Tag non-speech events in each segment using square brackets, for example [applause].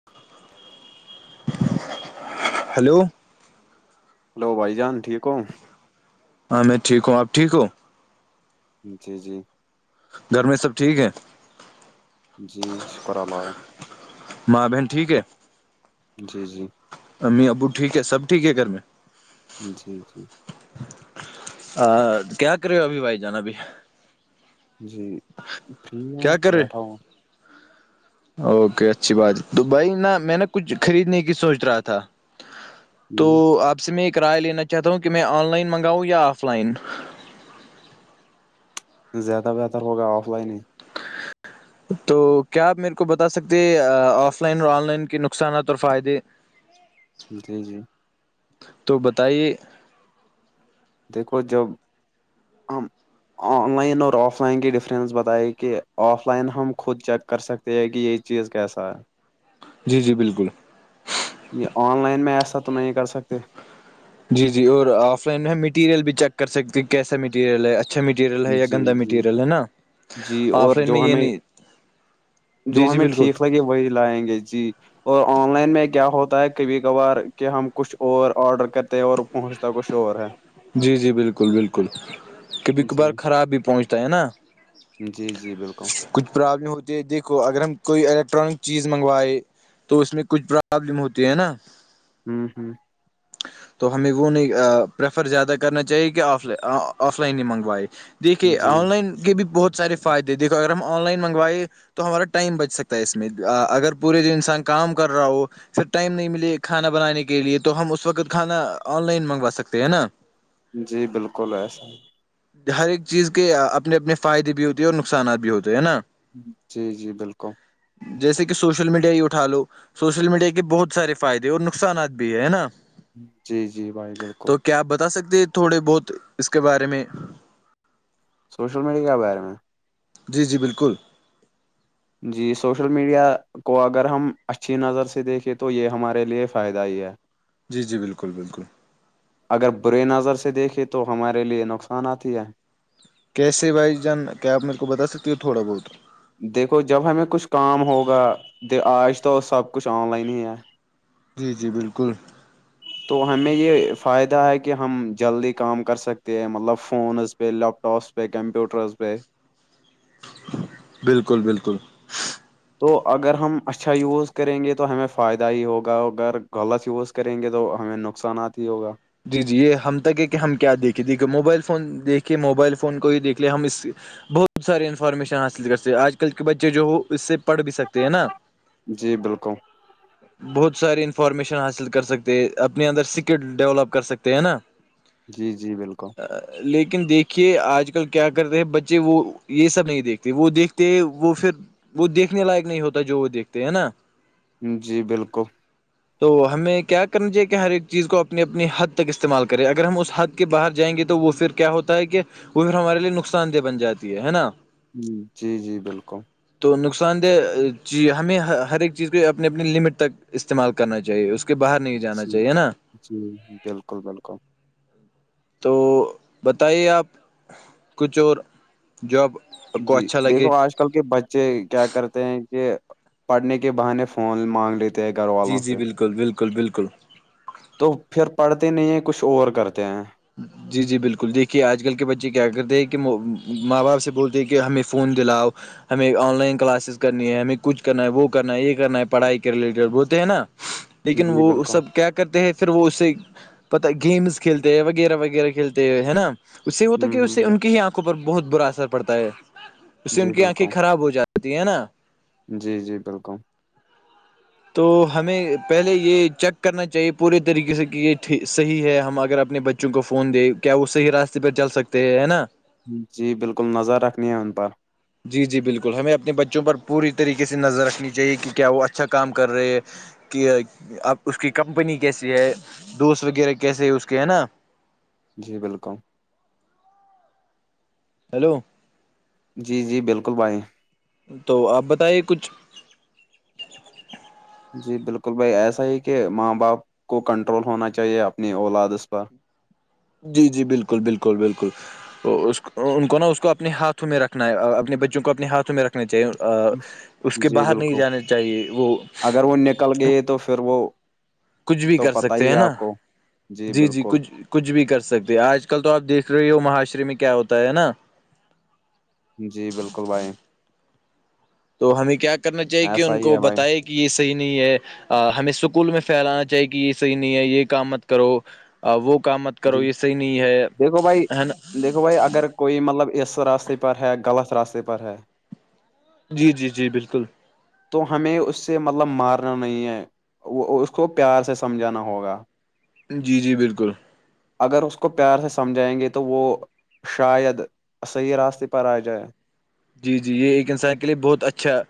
[inaudible] hello hello بھائی جان ٹھیک ہو ہاں میں ٹھیک ہوں آپ ٹھیک ہو جی جی گھر میں سب ٹھیک ہے جی شکر اللہ ماں بہن ٹھیک ہے جی جی امی ابو ٹھیک ہے سب ٹھیک ہے گھر میں جی ہاں کیا کر رہہے ہو ابھی بھائی جان بھی جی ٹھیک ہوں کیا کر بیٹھا رہے ہوں اوکے اچھی بات تو بھائی نہا میں نا کچھ خریدنے کی سوچ رہا تھا تو ہ آپ سے میں ایک رائے لینا چاہتا ہوں کہ میں آن لائن منگاؤں یا آف لائن زیادہ بہتر ہوگا آف لائن ہی تو کیا آپ میرے کو بتا سکتے آف لائن اور آن لائن کے نقصانات اور فائدے جی جی تو بتائیے دیکھو جب ہم آن لائن اور آف لائن کی ڈفرینس بتائے کہ آف لائن ہم خود چیک کر سکتے کہ یہی چیز کیسا ہے جی جی بالکل یہ آن لائن میں ایسا تو نہیں کر سکتے جی جی اور آف لائن میں مٹیریل بھی چیک کر سکتی کیسا میٹیریل ہے اچھا م مریل ہے جی گ جی مٹیریل ہے نا جی اور آف لائن جو میں یہ ہمیں جی جو جی ہمیں بالکل ٹھیک لگے وہی لائیں گے جی اور آن لائن میں کیا ہوتا ہے کبھی کبھار کہ ہم کچھ اور آرڈر کرتے ہیں اور پہنچتا کچھ اور ہے جی جی بالکل بالکل کبھی جی کبھار خراب بھی پہنچتا ہے نا جی جی بالکل کچھ پرابلم ہوتی ہے دیکھو اگر ہم کوئی الیکٹرانک چیز منگوائے تو اس میں کچھ پرابلم ہوتی ہے نا ہوں ہوں تو ہمیں وہ نہیں پفر زیادہ کرنا چاہیے کہ آ آف لائن ہی منگوائے دیکھیے جی آن لائن کے بھی بہت سارے فائدے دیکھو اگر ہم آن لائن منگوائے تو ہمارا ٹائم بچ سکتا ہے اس میں اگر پورے جو انسان کام کر رہا ہو سر ٹائم نہیں ملے کھانا بنانے کے لیے تو ہم اس وقت کھانا آن لائن منگوا سکتے ہیں نا جی بالکل ایسا ہر ایک چیز کے اپنے اپنے فائدے بھی ہوتے ہیں اور نقصانات بھی ہوتے ہیں ہے نا جی جی بالکل جیسے کہ سوشل میڈیا ہی اٹھا لو سوشل میڈیا کے بہت سارے فائدے اور نقصانات بھی ہے نا جی جی بھائی بالکل تو کیا آپ بتا سکتے ہیں تھوڑے بہت اس کے بارے میں سوشل میڈیا کے بارے میں جی جی بالکل جی سوشل میڈیا کو اگر ہم اچھی نظر سے دیکھے تو یہ ہمارے لیے فائدہ ہی ہے جی جی بالکل بالکل اگر برے نظر سے دیکھے تو ہمارے لیے نقصان آتی ہے کیسے بھائی جان کیا آپ میرے کو بتا سکتی ہو تھوڑا بہت دیکھو جب ہمیں کچھ کام ہوگا د آج تو سب کچھ آن لائن ہی ہے جی جی بالکل [inaudible] تو ہمیں یہ فائدہ ہے کہ ہم جلدی کام کر سکتے ہیں مطلب فونز پ لیپٹاپس پ کمپٹر پہ بالکل بالکل تو اگر ہم اچھا یوز کریں گے تو ہمیں فائدہ ہی ہوگا اگر غلط یوز کریں گے تو ہمیں نقصانات ہی ہوگا جی جی یہ ہم تک ہے کہ ہم کیا دیکھیں دیکھیے موبائل فون دیکھے موبائل فون کو ہی دیکھ لے ہم اس بہت سارے انفارمیشن حاصل کرتے آج کل کے بچے جو ہو اس سے پڑھ بھی سکتے ہیں نا جی بالکل بہت ساری انفارمیشن حاصل کر سکتے ہیں اپنے اندر سکل ڈیولپ کر سکتے ہیں نا جی جی بالکل لیکن دیکھیے آج کل کیا کرتے ہیں بچے وہ یہ سب نہیں دیکھتے وہ دیکھتے وہ پھر وہ دیکھنے لائق نہیں ہوتا جو وہ دیکھتے ہے نا جی بالکل تو ہمیں کیا کرنا چاہیے کہ ہر ایک چیز کو اپنی اپنی حد حد تک استعمال کریں اگر ہم اس حد کے باہر جائیں گے تو وہ پھر کیا ہوتا ہے کہ وہ پھر ہمارے لیے نقصان دہ بن جاتی ہے نا جی جی بالکل تو نقصان دہ چی ہمیں ہر ایک چیز کو اپنے اپنے لمٹ تک استعمال کرنا چاہیے اس کے باہر نہیں جانا جی چاہیے نا جی بالکل بالکل تو بتائیے آپ کچھ اور جب جی دیکھو آج کل کے بچے بچے کیا کرتے ہیں کہ پڑھنے کے بہانے فون مانگ لیتے ہیں گھر جی والوں جی سے بالکل بالکل بالکل تو پھر پڑھتے نہیں ہیں کچھ اور کرتے ہیں جی جی بالکل دیکھیے آج کل کے بچے کیا کرتے ہیں کہ ماں باپ سے بولتے ہیں کہ ہمیں فون دلاؤ ہمیں آن لائن کلاسز کرنی ہے ہمیں کچھ کرنا ہے وہ کرنا ہے یہ کرنا ہے پڑھائی کے ریلیٹڈ بولتے ہیں نا لیکن جی وہ بالکل سب کیا کرتے ہیں پھر وہ اسے پتا گیمز کھیلتے وغیرہ وغیرہ کھیلتے ہے نا اس سے ہوتا کہ اس سے ہوں ہ ان کی آکھ پر بہت برا اثر پڑتا ہے اس سے جی ان کی آنکھیں بالکل خراب ہو جاتی ہیں نا جی جی بالکل تو ہمیں پہلے یہ چیک کرنا چاہیے پورے طریقے سے کہ یہ صحیح ہے ہم اگر اپنے بچے چوں کو فون دے کیا وہ صحی راستے پہ چل سکتے ہیں ہے نا جی بالکل نظر رکھنی ہے ان پر جی جی بالکل ہمیں اپنے بچوں پر پوری طریقے سے نظر رکھنی چاہیے کہ کیا وہ اچھا کام کر رہے ہے کہ اب اس کی کمپنی کیسی ہے دوست وغیرہ کیسے ہے اس کے ہیں نا جی بالکل ہیلو جی جی بالکل بائییں تو آپ بتائیے کچھ جی بالکل بھائی ایسا ہی کہ ماں باپ کو کنٹرول ہونا چاہیے اپنی اولادس پر جی جی بالکل بالکل بالکل ان کو نا اس کو اپنے ہاتھوں میں رکھنا ہے اپنے بچوں کو اپنے ہاتھ میں رکھنا چاہیے اس کے جی باہر نہیں جانے چاہیے وہ کل گئے تو پھر وہ کچھ بھی تو کر پت سکتے ہی ہیں ہے نا آپ کو جی جی کچھ کچھ بھی کر سکتے ہیں آج کل تو آپ دیکھ رہے ہو مہاشرے میں کیا ہوتا ہے نا جی بالکل بھائی تو ہمیں کیا کرنا چاہیے کہ ایسا ان ہی کو ہے بھائی بتائے گ کہ یہ صحیح نہیں ہے ہمیں سکول میں پھیلانا چاہیے کہ یہ صحیح نہیں ہے یہ کام مت کرو وہ کا مت جی کرو یہ صحیح نہیں ہے دیکھو بھائی ہے نا دیکھو بھائی اگر کوئی مطلب اس راستے پر ہے غلط راستے پر ہے جی جی جی بالکل تو ہمیں اس سے مطلب مارنا نہیں ہے وہ اس کو پیار سے سمجھانا ہوگا جی جی بالکل اگر اس کو پیار سے سمجھائیں گے تو وہ شاید صحیح راستے پر آ جائے جی جی یہ ایک انسان کے لیے بہت اچھا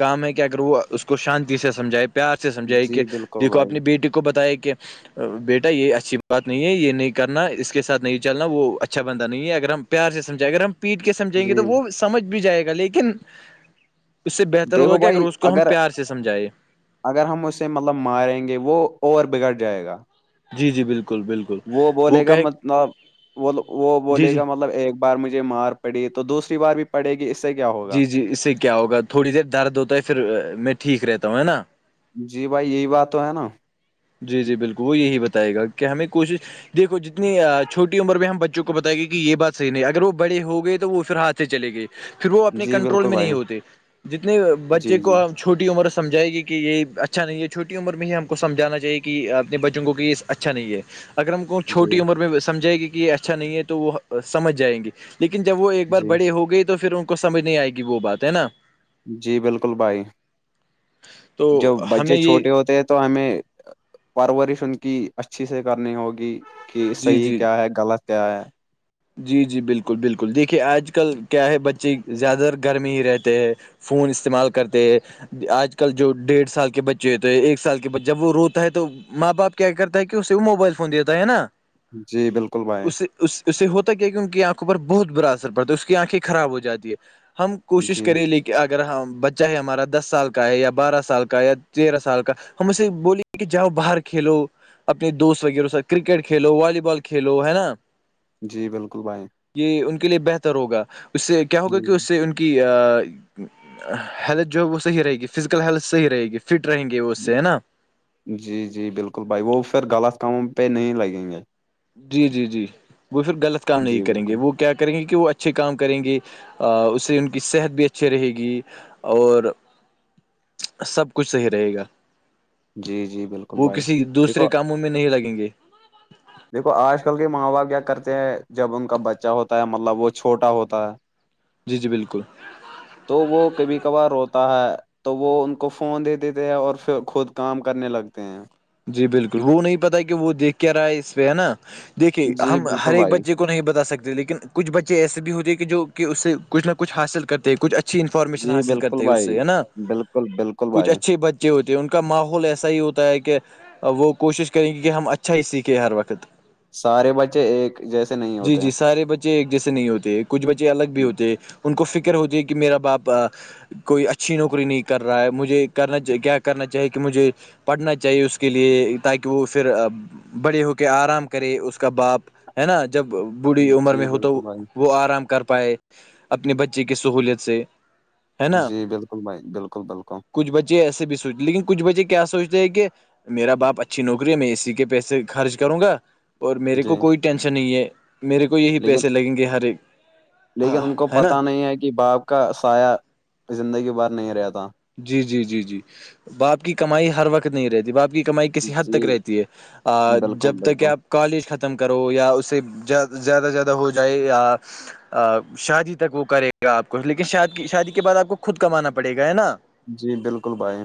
کام ہے کہ اگر وہ اس کو شانتی سے سمجھائے پیار سے سمجھائی کہ جی بالکل دیکھو بھائی اپنی بیٹی کو بتایا کہ بیٹا یہ اچھی بات نہیں ہے یہ نہیں کرنا اس کے ساتھ نہیں چلنا وہ اچھا بندہ نہیں ہے اگر ہم پیار سے سمجھائے اگر ہم پیٹ کے سمجھیں گے جی تو وہ سمجھ بھی جائے گا لیکن اس سے بہتر ہوا دیکھو کہ اگر بھائی اس کو ہم پیار سے سمجھائے اگر ہم اسے مطلب ماریں گے وہ اورو بگڑ جائے گا جی جی بالکل بالکل وہ بولے گا م وہ جی بولے جی گا مطلب ایک [inaudible] بار مجھے مار پڑی تو دوسری بار بھی پڑے گی اس سے کیا ہو جی جی اس سے کیا ہوگا تھوڑی دیر درد ہوتا ہے پھر میں ٹھیک رہتا ہوں ہے نا جی بھائی یہی بات تو ہے نا جی جی بالکل وہ یہی بتائے گا کہ ہمیں کوشش دیکھو جتنی چھوٹی عمر میں ہم بچوں کو بتائے گے کہ یہ بات صحیح نہیں اگر وہ بڑے ہو گئے تو وہ پھر ہاتھ سے چلے گئے پھر وہ اپنے جی کنٹرول بالکل میں نہیں بھائی ہوتے جتنے بچے جی جی کو ہم چھوٹی عمر سمجھائے گی کہ یہ اچھا نہیں ہے چھوٹی عمر میں ہی ہم کو سمجھانا کہ اپنے بچوں کو کہ اچھا نہیں ہے اگر ہم کو چھوٹی جی عمر میں سمھائے گی کہ اچھا نہیں ہے تو وہ سمجھ جائیں گی لیکن جب وہ ایک بار جی بڑی ہو گئی تو پھر ان کو کو سمجھ نہیں آئے گی وہ بات ہے نا جی بالکل بھائی تو جو بچے ہمیں یہ چھوٹے ہوتے ہیں تو ہمیں پرورش ان کی اچھی سے کرنی ہوگی کہ جی صحیح جی کیا ہے غلط کیا ہے جی جی بالکل بالکل دیکھیے آج کل کیا ہے بچے زیادہ تر گرمی ہی رہتے ہے [unintelligible] فون استعمال کرتے آج کل جو ڈیڑھ سال کے بچے ہوتے ہیں ایک سال کے بے جب وہ روتا ہے تو ماں باپ کیا کرتا ہے کہ اسے وہ موبائل فون دیتا ہے نا جی بالکل بھائی اس اس سے ہوتا کیا کہ ان کی آنکھوں پر بہت برا اثر پڑتا ہے اس کی آنکھیں خراب ہو جاتی ہے ہم کوشش جی کرے لے کہ اگر بچہ ہے ہمارا دس سال کا ہے یا بارہ سال کا یا تیرہ سال کا ہم اسے بولیے کہ جاؤ باہر کھیلو اپنے دوست وغیرہ س کرکٹ کھیلو والی بال کھیلو ہے نا جی بالکل بھائی یہ ان کے لیے بہتر ہوگا اس سے کیا ہوگا جی کہ اس سے ان کہ ہیلتھ جو ہے وہ صحیح رہے گی فزیکل ہیلتھ صحیح رہے گی فٹ رہیں گے وہ اس سے ہے نا جی جی بالکل بھائی وہ پھر غلط کاموں پہ نہیں لگیں گے جی جی جی وہ پھر غلط کام نہیں جی کریں گے بالکل وہ کیا کریں گے کہ وہ اچا اچھے کام کریں گی اس سے ان کی صحت بھی اچھی رہے گی اور سب کچھ صحیح رہے گا جی جی بالکل بھائی دیکھو م میں نہیں لگیں گے [unintelligible] دیکھو آج کل کے ماں باپ کیا کرتے ہیں جب ان کا بچہ ہوتا ہے مطلب وہ چھوٹا ہوتا ہے [inaudible] جی جی بالکل تو وہ کبھی کبھار روتا ہے تو وہ ان کو فون دے دیتے ہیں اور پھر خود کام کرنے لگتے ہیں جی بالکل وہ نہیں پتا کہ وہ دیکھ کے رہا ہے اس پہ ہے نا دیکھیے جی ہم ہر بالکل ایک بھائی بچے کو نہیں بتا سکتے لیکن کچھ بچے ایسے بھی ہوتے ہیں کہ جو کہ اس سے کھ نہ کچھ حاصل کرتے ہیںچھ اچھا اچھی انفارمیشن جی حاصل بالکل کرتے ہیں اس بھائی سے ہے نا بالکل بالکل کچھ بھائی اچھے بچے ہوتی ہے ان کا ماحول ایسا ہی ہوتا ہے کہ وہ کوشش کریں گی کہ ہم اچھا ہی سیکھیں ہر وقت سارے بچے ایک جیسے نہیں جی ہوتے جی سارے بچے جیسے نہیں ہوتے کچھ بچے الگ بھی ہوتے ان کو فکر ہوتی ہے کہ میرا باپ کوئی اچھی نوکری نہیں کر رہا ہے مجھے کرنا کیا کرنا چاہیے کہ مجھے پڑھنا چاہیے اس کے لیے تاکہ وہ پھر بڑے ہو کے آرام کرے اس کا باپ ہے نا جب بوڑھی عمر میں جی ہو تو بالکل بھائی وہ آرام کر پائے اپنے بچی کی سہولیت سے ہے نا جی بالکل بھائی بالکل بالکل ج ایسے بھی سوچ لیکن کچھ بچے کیا سوچتے ہیں کہ میرا باپ اچھی نوکری ہے میں اسی کے پیسے خرچ کروں گا اور میرے کو جی کوئی ٹینشن نہیں ہے میرے کو یہی لیکن پیسے لگیں گے ہر ایک لیکن ہاں ان کو ہے نا پتا نہیں ہے کہ باپ کو کا سایہ زندگی باہار نہیں رہ تھا جی جی جی جی باپ کی کمائی ہر وقت نہیں رہتی باپ کی کمائی کسی حد تک جی رہتی ہے بالکل جب تک بالکل آپ کالج ختم کرو یا اس سے زیادہ زیادہ ہو جائے یا شادی تک وہ کرے گا آپ کو لیکن شی شادی کے بعد آپ کو خود کمانا پڑے گا ہے نا جی بالکل بھائی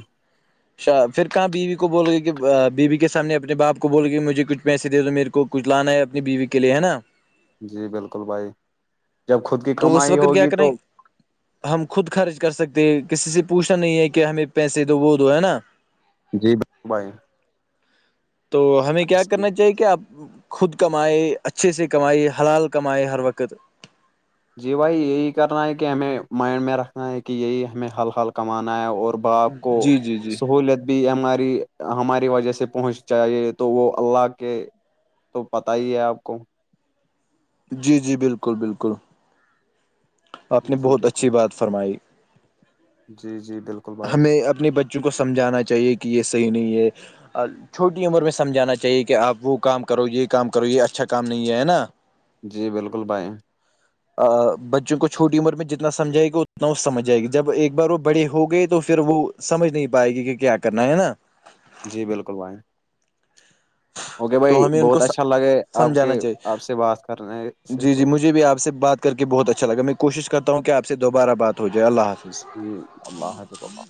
اچا پھر کہاں بیوی کو بول گے کہ بیوی کے سامنے اپنے باپ کو بول گے مجھے کچھ پیسے دو میرے کو کچھ لانا ہے اپنی بیوی کے لیے ہے نا جی بالکل بھائی جب خود کی تو اس کمائی وقت کیا ہوگی تو کریں ہم خود خرچ کر سکتے ہیں کسی سے پوچھنا نہیں ہے کہ ہمیں پیسے دو وہ دو ہے نا جی بالکل بھائی تو ہمیں ہاں کیا صحیح کرنا ہے چاہیے کہ آپ خود کمائے اچھے سے کمائے حلال کمائے ہر وقت جی بھائی یہی کرنا ہے کہ ہمیں مائنڈ میں رکھنا ہے کہ یہی ہمیں حل حال کمانا ہے اور با آپ کو جی جی جی سہولت بھی ہماری ہماری وجہ سے پہنچ جاہیے تو وہ اللہ کے تو پتا ہی ہے آپ کو جی جی بالکل بالکل آپ نے جی بہت بالکل اچھی بات فرمائی جی جی بالکل بھائی ہمیں اپنے بچوں کو سمجھانا چاہیے کہ یہ صحیح نہیں ہے چھوٹی عمر میں سمجھانا چاہیے کہ آپ وہ کام کرو یہ کام کرو یہ اچھا کام نہیں ہے نا جی بالکل بھائی بچوں کو چھوٹی عمر میں جتنا سمجائے گا اتنا اس سمجھ جائے گا جب ایک بار وہ بڑے ہو گئے تو پھر وہ سمجھ نہیں پائے گی کہ کیا کرنا ہے نا جی بالکل بائیں تو ہمیں ان کو بہت اچھا لگے آپ سمجھانا کے آپ سے بات کرنے چاہیے سے جی جی تو مجھے بھی آپ سے بات کر کے بہت اچھا لگا میں کوشش کرتا ہوں کہ آپ سے دوبارہ بات ہو جائے اللہ حافظ جی اللہ حافظ اللہ